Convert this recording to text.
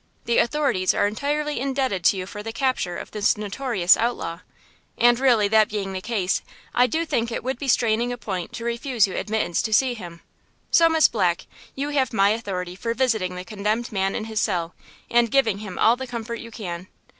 The authorities are entirely indebted to you for the capture of this notorious outlaw. And really that being the case, I do think it would be straining a point to refuse you admittance to see him. So, Miss Black, you have my authority for visiting the condemned man in his cell and giving him all the comfort you can.